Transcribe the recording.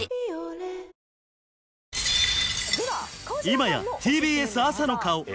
今やＴＢＳ朝の顔